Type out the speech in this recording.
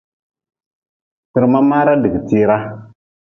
Kpirma maara digi tiira.